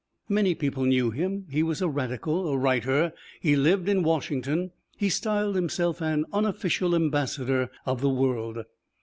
Many people knew him; he was a radical, a writer; he lived in Washington, he styled himself an unofficial ambassador of the world.